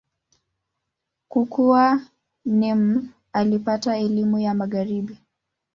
Kukua, Nimr alipata elimu ya Magharibi.